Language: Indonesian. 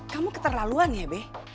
kamu keterlaluan ya be